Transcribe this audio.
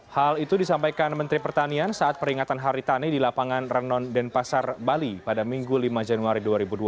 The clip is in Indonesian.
hal itu disampaikan menteri pertanian saat peringatan hari tani di lapangan renon denpasar bali pada minggu lima januari dua ribu dua puluh